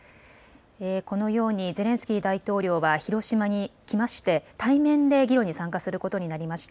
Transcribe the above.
このようにゼレンスキー大統領は、広島に来まして、対面で議論に参加することになりました。